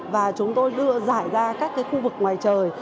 và chúng tôi đưa giải ra các khu vực ngoài trời